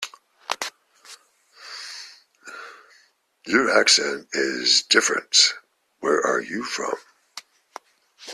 Your accent is different, where are you from?